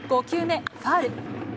５球目、ファウル。